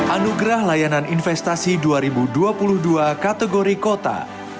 anugerah layanan investasi dua ribu dua puluh dua kategori kota